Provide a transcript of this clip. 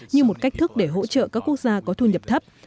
như một cách thức để hỗ trợ các quốc gia có thu nhập thấp